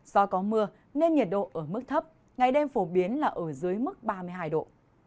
do có mưa nên nhiệt độ ở mức thấp ngày đêm phổ biến là ở dưới mức ba mươi hai độ